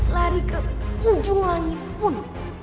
lari ke ujung langit pun